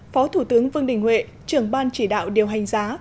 phó thủ tướng vương đình huệ trưởng ban chỉ đạo điều hành giá